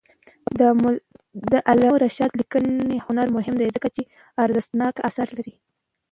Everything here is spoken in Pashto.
د علامه رشاد لیکنی هنر مهم دی ځکه چې ارزښتناک آثار لري.